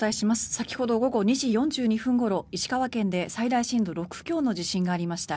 先ほど午後２時４２分ごろ石川県で最大震度６強の地震がありました。